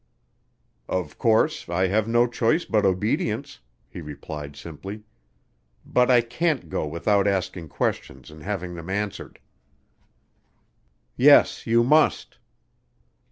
"Of course, I have no choice but obedience," he replied simply. "But I can't go without asking questions and having them answered." "Yes, you must."